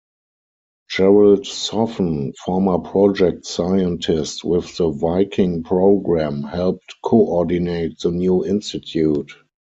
Gerald Soffen former Project Scientist with the Viking program, helped coordinate the new institute.